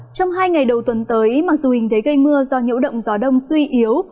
trong hai ngày đầu tuần tới mặc dù hình thế gây mưa do nhiễu động gió đông suy yếu